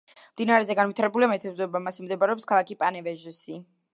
მდინარეზე განვითარებულია მეთევზეობა, მასზე მდებარეობს ქალაქი პანევეჟისი.